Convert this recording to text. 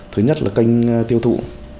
thứ nhất là kênh tiêu thụ